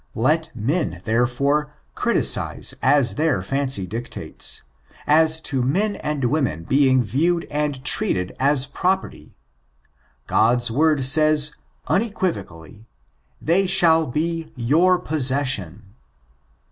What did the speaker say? Let men, therefore, criticise as their fancy directs, as to men and women being viewed and treated as property; God's word says, unequivocally, "they shall be your possession.